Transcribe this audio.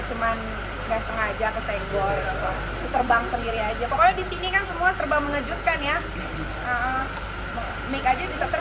cuman nggak sengaja kesenggor terbang sendiri aja pokoknya di sini kan semua serba mengejutkan ya